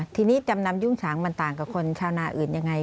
ทีนี้จำนำยุ่งฉางมันต่างกับคนชาวนาอื่นยังไง